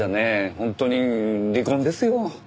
本当に離婚ですよ。